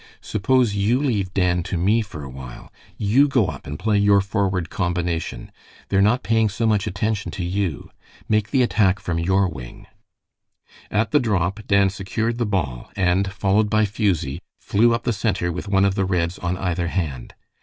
Suppose you leave Dan to me for a while. You go up and play your forward combination. They are not paying so much attention to you. Make the attack from your wing." At the drop Dan secured the ball, and followed by Fusie, flew up the center with one of the Reds on either hand.